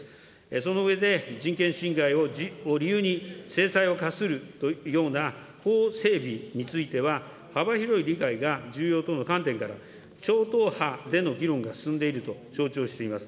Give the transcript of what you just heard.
その上で、人権侵害を理由に制裁を科するような法整備については、幅広い理解が重要との観点から超党派での議論が進んでいると承知をしています。